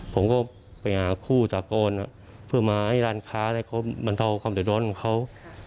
ผมก็ไปหาคู่ตากรเพื่อมาให้ร้านค้าให้เค้าบรรเทาความตายด้อนเงินของเค้า